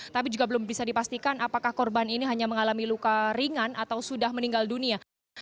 tapi juga belum bisa dipastikan apakah korban ini hanya mengalami luka ringan atau sudah meninggal dunia